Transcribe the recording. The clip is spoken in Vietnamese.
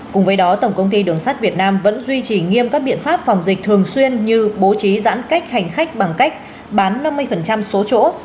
cùng với đó tổng công ty đường sắt việt nam vẫn duy trì nghiêm các biện pháp phòng dịch thường xuyên như bố trí giãn cách hành khách bằng cách bán năm mươi số chỗ